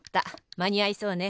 まにあいそうね。